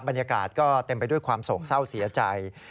บรรยากาศก็เต็มไปด้วยความโศกเศร้าเสียใจ